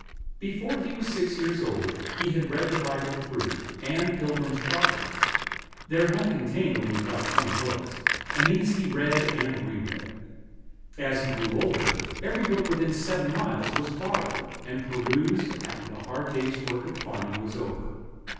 Before he was six years old he had read the Bible through, and "Pilgrim's Progress." Their home contained only about twenty books, and these he read and re read. As he grew older, every book within seven miles was borrowed, and perused after the hard day's work of farming was over.